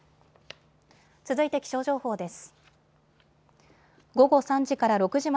続いて気象情報です。